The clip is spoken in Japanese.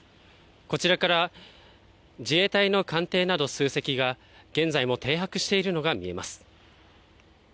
こちらから自衛隊の艦艇など数隻が現在も停泊しているのが見えます。